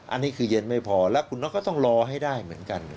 อันนี้คือเย็นไม่พอแล้วคุณน็อตก็ต้องรอให้ได้เหมือนกัน